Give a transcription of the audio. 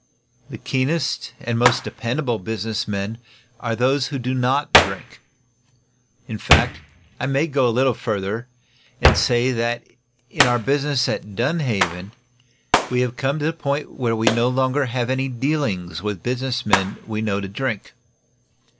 The keenest and most dependable business men are those who do not drink. In fact, I may go a little further, and say that, in our business at Dunhaven, we have come to the point where we no longer have any dealings with business men whom we know to drink.